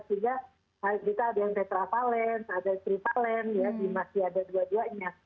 sehingga kita ada yang tetrapalent ada yang trivalent ya masih ada dua duanya